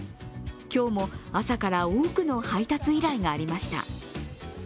今日も朝から多くの配達依頼がありました。